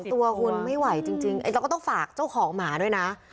ตัวคุณไม่ไหวจริงเราก็ต้องฝากเจ้าของหมาด้วยนะ